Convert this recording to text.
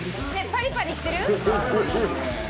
パリパリしてる？